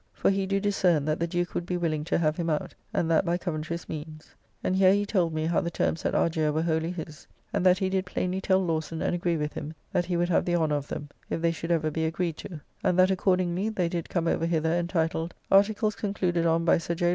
For he do discern that the Duke would be willing to have him out, and that by Coventry's means. And here he told me, how the terms at Argier were wholly his; and that he did plainly tell Lawson and agree with him, that he would have the honour of them, if they should ever be agreed to; and that accordingly they did come over hither entitled, "Articles concluded on by Sir J.